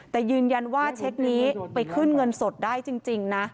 แต่ยืนยันว่าเช็คนี้ไปขึ้นเงินสดได้จริงนะ